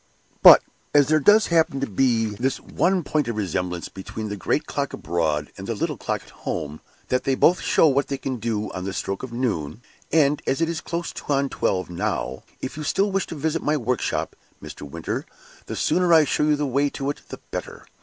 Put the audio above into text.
"But as there does happen to be this one point of resemblance between the great clock abroad and the little clock at home, that they both show what they can do on the stroke of noon, and as it is close on twelve now, if you still wish to visit my workshop, Mr. Midwinter, the sooner I show you the way to it the better."